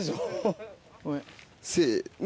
せの。